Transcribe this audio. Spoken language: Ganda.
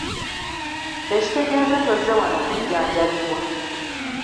Ekitegeeza tozze wano kujjanjabibwa.